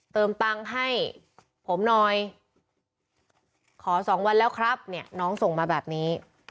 เติมตังค์ให้ผมหน่อยขอสองวันแล้วครับเนี่ยน้องส่งมาแบบนี้